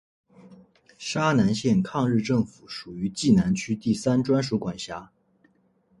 沙南县抗日政府属于冀南区第三专署管辖。